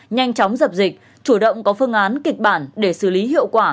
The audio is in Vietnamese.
nhanh chóng dập dịch chủ động có phương án kịch bản để xử lý hiệu quả